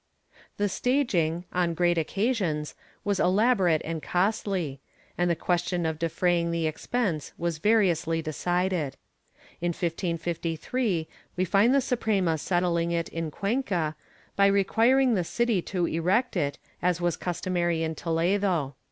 ^ The staging, on great occasions, was elaborate and costly, and the question of defraying the expense was variously decided. In 1553, we find the Suprema settling it, in Cuenca, by requiring the city to erect it, as was customary in Toledo.